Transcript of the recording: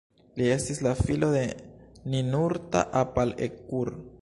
Li estis la filo de Ninurta-apal-ekur.